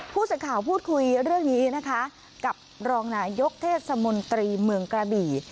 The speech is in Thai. ผู้สื่อข่าวพูดคุยเรื่องนี้นะคะกับรองนายกเทศมนตรีเมืองกระบี่